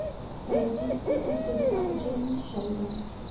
Tra i registi è accreditato James Sheldon.